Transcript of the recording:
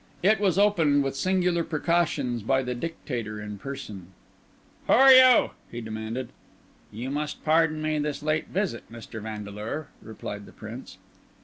It was opened with singular precautions by the Dictator in person. "Who are you?" he demanded. "You must pardon me this late visit, Mr. Vandeleur," replied the Prince.